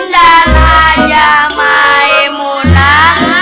dan hadiah maimu nak